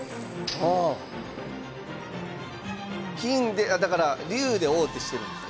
金でだから龍で王手してるんですね。